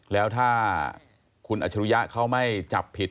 แล้วถ้าคุณอัจฉริยะเขาไม่จับผิด